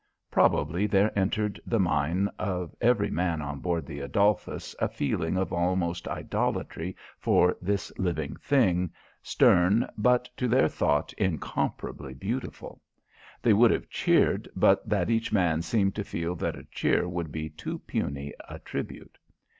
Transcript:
Probably there entered the mind of every man on board the Adolphus a feeling of almost idolatry for this living thing, stern but, to their thought, incomparably beautiful. They would have cheered but that each man seemed to feel that a cheer would be too puny a tribute.